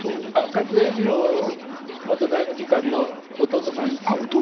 勝栄二郎元財務次官の弟さんですね。